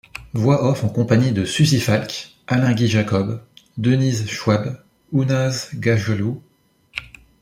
Voix off en compagnie de Suzy Falk, Alain-Guy Jacob, Denise Schwab, Hoonaz Ghajallu...